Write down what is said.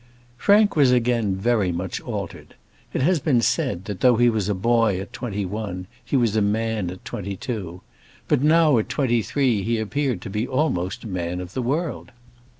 Frank was again very much altered. It has been said, that though he was a boy at twenty one, he was a man at twenty two. But now, at twenty three, he appeared to be almost a man of the world.